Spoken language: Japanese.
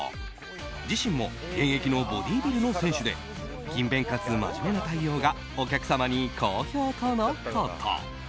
自身も現役のボディービルの選手で勤勉かつ真面目な対応がお客様に好評とのこと。